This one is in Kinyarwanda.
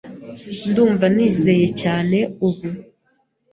Ndumva nizeye cyane ubu.